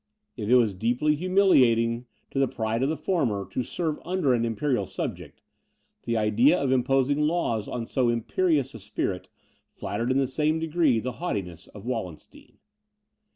If it was deeply humiliating to the pride of the former to serve under an imperial subject, the idea of imposing laws on so imperious a spirit, flattered in the same degree the haughtiness of Wallenstein.